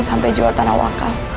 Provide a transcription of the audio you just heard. sampai jual tanah wakaf